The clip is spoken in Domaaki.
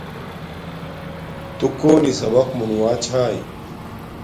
تݸ کݸنݵ سَبَق مُنُوݳ چھݳئی؟